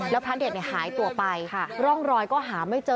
แล้วพระเด็ดหายตัวไปร่องรอยก็หาไม่เจอ